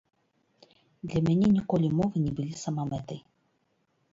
Для мяне ніколі мовы не былі самамэтай.